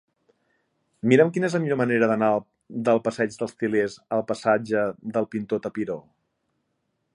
Mira'm quina és la millor manera d'anar del passeig dels Til·lers al passatge del Pintor Tapiró.